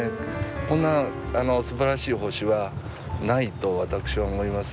こんなすばらしい星はないと私は思います。